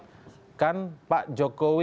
jadi kan pak jokowi